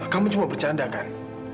kamu cuma bercanda kan